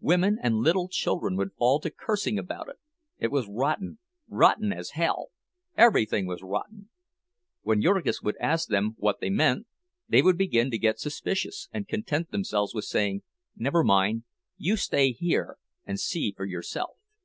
Women and little children would fall to cursing about it; it was rotten, rotten as hell—everything was rotten. When Jurgis would ask them what they meant, they would begin to get suspicious, and content themselves with saying, "Never mind, you stay here and see for yourself."